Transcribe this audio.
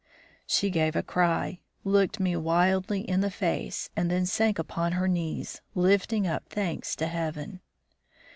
She gave a cry, looked me wildly in the face, and then sank upon her knees, lifting up thanks to heaven.